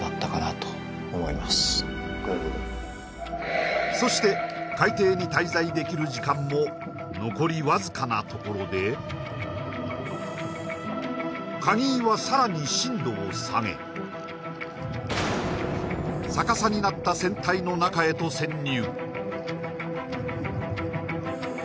と思いますそして海底に滞在できる時間も残りわずかなところで鍵井はさらに深度を下げ逆さになった船体の中へと潜入